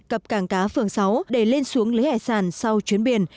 cập cảng cá phường sáu để lên xuống lấy hải sản sau chuyến biển